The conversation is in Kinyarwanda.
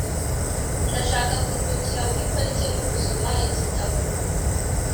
] ndashaka kuruhukira muri parike no gusoma igitabo.